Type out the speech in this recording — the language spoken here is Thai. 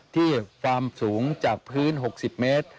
ที่ความสูงจากพื้น๖๐เมตร